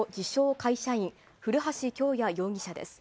会社員、古橋京也容疑者です。